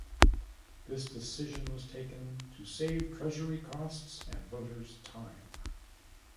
This decision was taken "to save treasury costs and voters time".